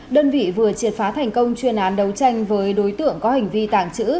đơn vị vừa triệt phá thành công chuyên án đấu tranh với đối tượng có hành vi tàng trữ